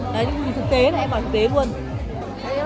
đấy nhưng mà thực tế em bảo thực tế luôn